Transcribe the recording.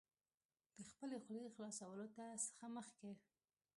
د خپلې خولې خلاصولو څخه مخکې